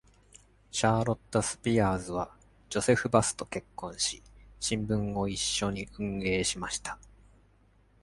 シャーロッタ・スピアーズはジョセフ・バスと結婚し、新聞を一緒に運営しました。